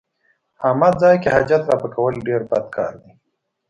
عامه ځای کې حاجت رفع کول ډېر بد کار دی.